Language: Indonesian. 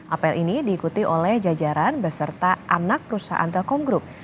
apel ini diikuti oleh jajaran beserta anak perusahaan telkom group